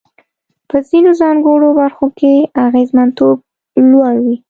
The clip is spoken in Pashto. په ځینو ځانګړو برخو کې اغېزمنتوب لوړ وي.